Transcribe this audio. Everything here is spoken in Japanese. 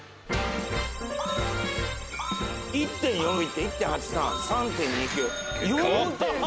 １．４いって１．８３３．２９４．３！？